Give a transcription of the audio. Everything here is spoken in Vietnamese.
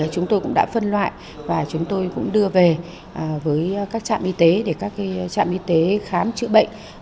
chúng tôi cũng đã phân loại và chúng tôi cũng đưa về với các trạm y tế để các trạm y tế khám chữa bệnh